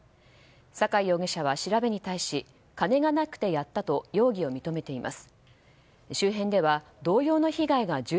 酒井容疑者は調べに対し金がなくてやったと容疑を認めています。